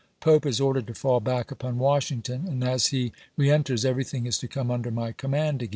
Pope is ordered to fall back upon Washington, and as he reenters everything is to come under my command again.